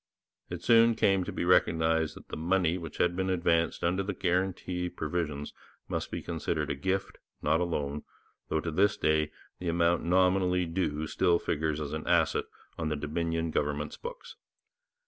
It soon came to be recognized that the money which had been advanced under the guarantee provisions must be considered a gift, not a loan, though to this day the amount nominally due still figures as an asset on the Dominion government's books.